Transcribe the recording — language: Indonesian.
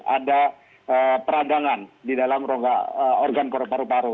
ada peradangan di dalam rongga organ paru paru